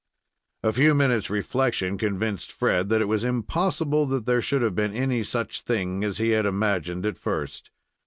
A few minutes' reflection convinced Fred that it was impossible that there should have been any such thing as he had imagined at first.